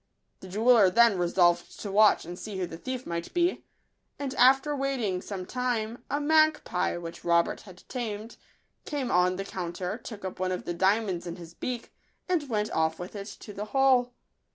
The jeweller then resolved to watch and see who the thief might be ; and after waiting some time, a magpie, which Robert had tamed, came on the coun ter, took up one of the diamonds in his beak, and went off with it to the hole.